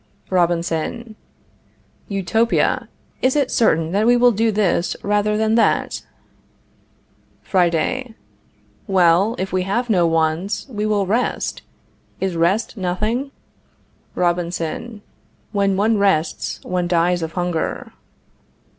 Robinson. Utopia! Is it certain that we will do this rather than that? Friday. Well, if we have no wants, we will rest. Is rest nothing? Robinson. When one rests one dies of hunger.